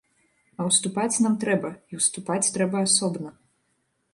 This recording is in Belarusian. А ўступаць нам трэба, і ўступаць трэба асобна.